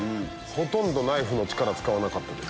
ほとんど力使わなかったです。